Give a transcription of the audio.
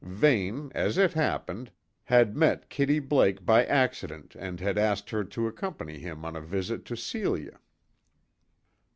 Vane, as it happened, had met Kitty Blake by accident and had asked her to accompany him on a visit to Celia.